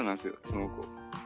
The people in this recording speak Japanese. その子。